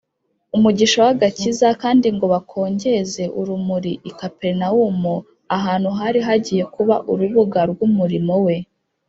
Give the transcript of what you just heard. umugisha w’agakiza, kandi ngo bakongeze urumuri i Kaperinawumu, ahantu hari hagiye kuba urubuga rw’umurimo we